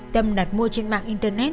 tâm đặt mua trên mạng internet